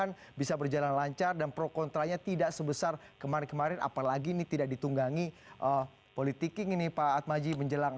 ya mudah mudahan bisa berjalan lancar dan pro kontra nya tidak sebesar kemarin kemarin apalagi ini tidak ditunggangi politik ini pak atmaji menjelang